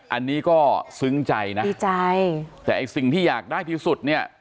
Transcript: อันนี้ก็ซึ้งใจนะดีใจแต่ไอ้สิ่งที่อยากได้ที่สุดเนี่ย